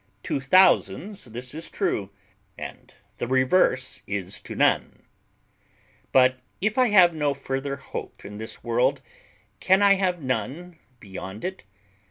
To thousands this is true, and the reverse Is sure to none. But if I have no further hope in this world, can I have none beyond it?